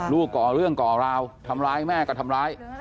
ก่อเรื่องก่อราวทำร้ายแม่ก็ทำร้าย